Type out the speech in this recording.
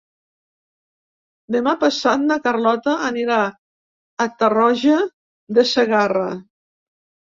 Demà passat na Carlota anirà a Tarroja de Segarra.